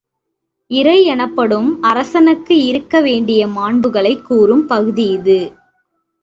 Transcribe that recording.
இறை எனப்படும் அரசனுக்கு இருக்க வேண்டிய மாண்புகளைக் கூறும் பகுதி இது.